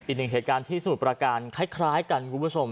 อีกหนึ่งเหตุการณ์ที่สมุทรประการคล้ายกันคุณผู้ชม